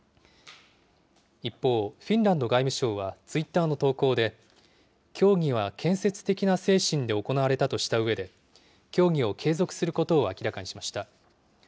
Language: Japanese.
一方、フィンランド外務省は、ツイッターの投稿で、協議は建設的な精神で行われたとしたうえで、協議を継続することを明らかにしました。